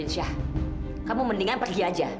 syah kamu mendingan pergi aja